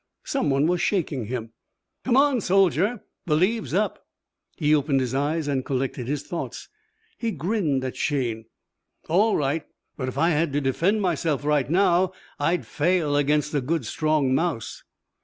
Someone was shaking him. "Come on, soldier. The leave's up." He opened his eyes and collected his thoughts. He grinned at Shayne. "All right. But if I had to defend myself right now I'd fail against a good strong mouse."